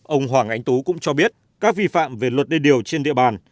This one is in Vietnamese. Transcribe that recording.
ông hoàng anh tú cũng cho biết các vi phạm về luật đê điều trên địa bàn